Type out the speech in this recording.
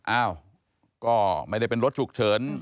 อ้าวก็ไม่ได้เป็นรถฉุกเฉิน